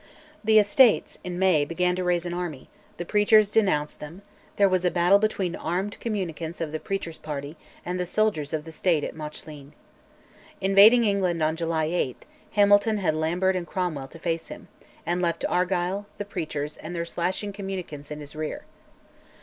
The Estates, in May, began to raise an army; the preachers denounced them: there was a battle between armed communicants of the preachers' party and the soldiers of the State at Mauchline. Invading England on July 8, Hamilton had Lambert and Cromwell to face him, and left Argyll, the preachers, and their "slashing communicants" in his rear.